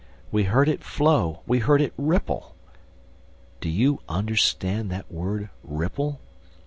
... We heard it flow, we heard it ripple! ... Do you understand that word "ripple?"